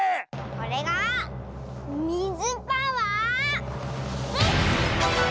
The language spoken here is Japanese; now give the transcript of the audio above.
これがみずパワーです！